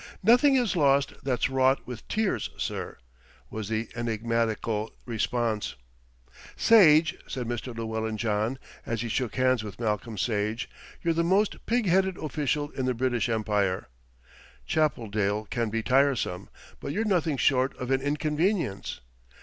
"Nothing is lost that's wrought with tears, sir," was the enigmatical response. "Sage," said Mr. Llewellyn John, as he shook hands with Malcolm Sage, "you're the most pig headed official in the British Empire. Chappeldale can be tiresome; but you're nothing short of an inconvenience.